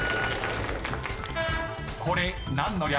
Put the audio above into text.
［これ何の略？］